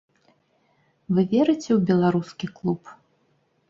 Вы верыце ў беларускі клуб?